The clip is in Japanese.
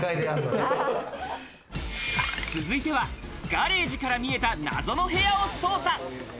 続いてはガレージから見えた、謎の部屋を捜査。